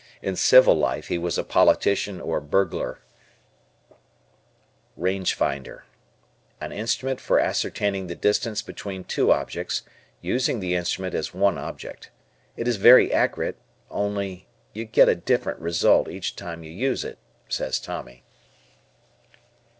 In civil life he was a politician or burglar. R Range Finder. An instrument for ascertaining the distance between two objects, using the instrument as one object. It is very accurate only you get a different result each time you use it, says Tommy.